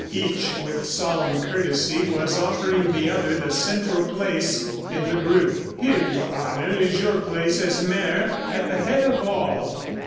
Each, with solemn courtesy, was offering the other the central place in the group. "Here, your Honor, is your place as mayor at the head of all."